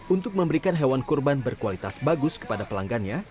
untuk memberikan hewan kurban berkualitas bagus kepada pelanggannya